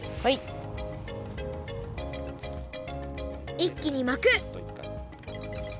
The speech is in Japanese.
いっきに巻く！